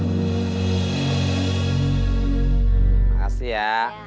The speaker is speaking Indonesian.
terima kasih ya